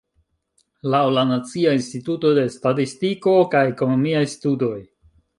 Laŭ la Nacia Instituto de Statistiko kaj Ekonomiaj Studoj.